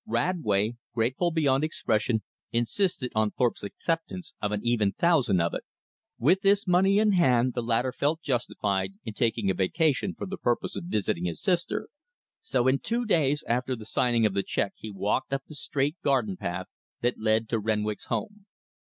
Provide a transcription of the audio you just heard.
Radway, grateful beyond expression, insisted on Thorpe's acceptance of an even thousand of it. With this money in hand, the latter felt justified in taking a vacation for the purpose of visiting his sister, so in two days after the signing of the check he walked up the straight garden path that led to Renwick's home.